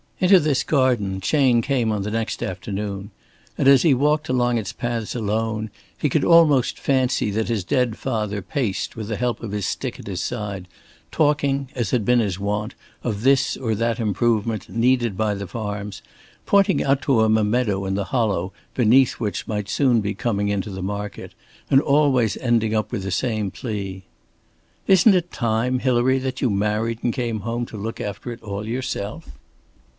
Into this garden Chayne came on the next afternoon, and as he walked along its paths alone he could almost fancy that his dead father paced with the help of his stick at his side, talking, as had been his wont, of this or that improvement needed by the farms, pointing out to him a meadow in the hollow beneath which might soon be coming into the market, and always ending up with the same plea. "Isn't it time, Hilary, that you married and came home to look after it all yourself?"